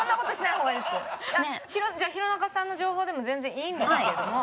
じゃあ弘中さんの情報でも全然いいんですけども。